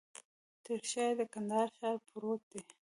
تر شاه یې د کندهار ښار پروت دی.